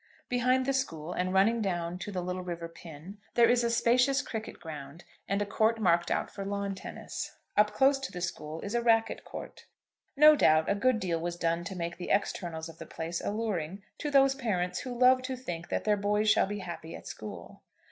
Behind the school, and running down to the little river Pin, there is a spacious cricket ground, and a court marked out for lawn tennis. Up close to the school is a racket court. No doubt a good deal was done to make the externals of the place alluring to those parents who love to think that their boys shall be made happy at school.